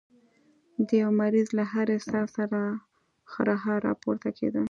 د يوه مريض له هرې ساه سره خرهار راپورته کېده.